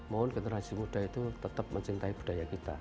mohon generasi muda itu tetap mencintai budaya kita